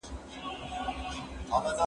آیا کښتۍ تر موټر درنه ده؟